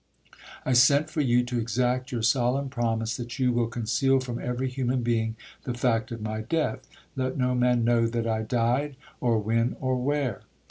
I sent for you to exact your solemn promise that you will conceal from every human being the fact of my death—let no man know that I died, or when, or where.'